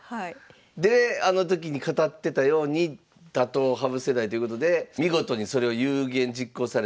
であの時に語ってたように打倒羽生世代ということで見事にそれを有言実行されてこれが２０１８年？